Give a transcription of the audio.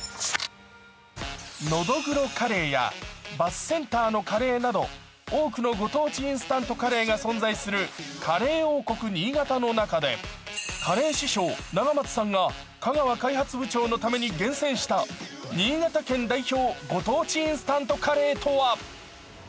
のどぐろカレーやバスセンターのカレーなど多くの御当地インスタントカレーが存在するカレー王国新潟の中でカレー師匠・永松さんが香川開発部長のために厳選した新潟県代表